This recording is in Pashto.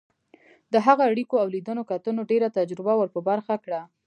د هغه اړیکو او لیدنو کتنو ډېره تجربه ور په برخه کړه.